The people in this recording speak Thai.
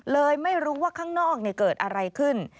เลยไม่รู้ว่าข้างนอกเกิดอะไรขึ้น